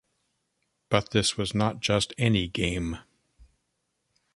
But this was not just any game.